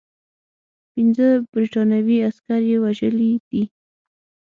پنځه برټانوي عسکر یې وژلي دي.